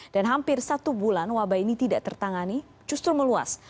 dan hampir satu bulan wabah ini tidak tertangani justru meluas